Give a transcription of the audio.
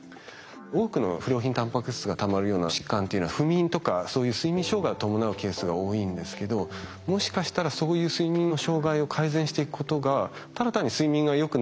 多くの不良品タンパク質がたまるような疾患っていうのは不眠とかそういう睡眠障害を伴うケースが多いんですけどもしかしたらそういう睡眠の障害を改善していくことがただ単に睡眠がよく